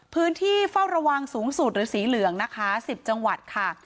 พื้นที่เฝ้าระวังสูงสุดหรือสีเหลืองนะคะ๑๐จังหวัดค่ะ